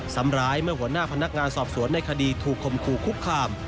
ซ้ำร้ายเมื่อหัวหน้าพนักงานสอบสวนในคดีถูกคมคู่คุกคาม